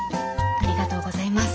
ありがとうございます。